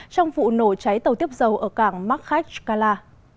trong vụ nổ cháy tàu tiếp dầu ở cảng markhachkala